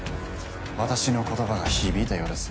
私の言葉が響いたようですね。